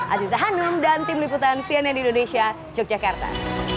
aziza hanum dan tim liputan cnn indonesia yogyakarta